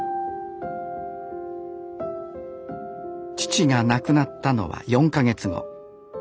父が亡くなったのは４か月後。